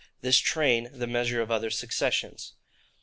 This Train, the Measure of other Successions.